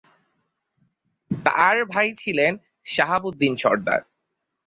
তার ভাই ছিলেন শাহাবুদ্দিন সরদার।